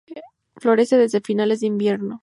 Florece desde finales de invierno.